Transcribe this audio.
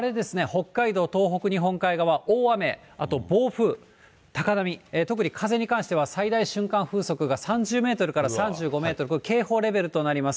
北海道、東北、日本海側、大雨、暴風、高波、特に風に関しては瞬間風速が３０メートルから３５メートル、これ、警報レベルとなります。